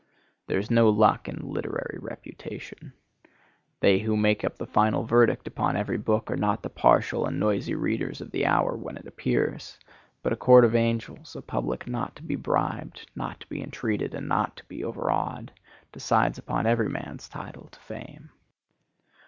There is no luck in literary reputation. They who make up the final verdict upon every book are not the partial and noisy readers of the hour when it appears, but a court as of angels, a public not to be bribed, not to be entreated and not to be overawed, decides upon every man's title to fame.